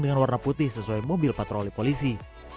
dengan warna putih sesuai mobil patroli polisi